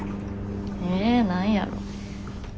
え何やろ。